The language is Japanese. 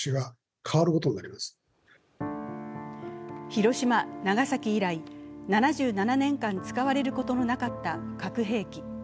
広島、長崎以来、７７年間、使われることのなかった核兵器。